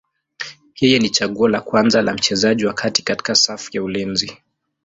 Yeye ni chaguo la kwanza la mchezaji wa kati katika safu ya ulinzi.